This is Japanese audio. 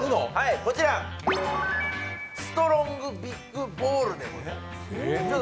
こちら、ストロングビッグボールでございます。